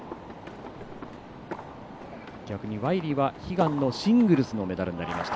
逆にワイリーは悲願のシングルスのメダルになりました。